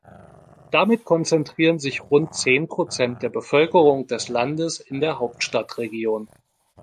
Damit konzentrieren sich rund zehn Prozent der Bevölkerung des Landes in der Hauptstadtregion.